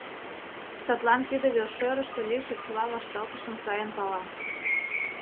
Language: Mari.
Садлан тиде вершӧрыштӧ лийше чыла вашталтышым сайын пала.